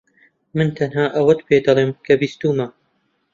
من تەنها ئەوەت پێدەڵێم کە بیستوومە.